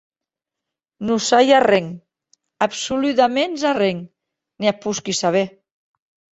Non sai arren, absoludaments arren, ne ac posqui saber.